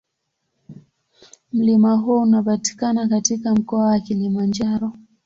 Mlima huo unapatikana katika Mkoa wa Kilimanjaro.